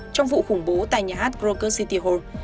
trong vụ khủng bố tại nhà hát krokus city hall